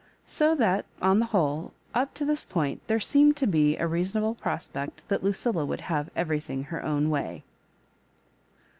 So |hat, on the whole, up to this point there seem]s4 to be a reasonable prospect that Lucilla would have everything ber own way.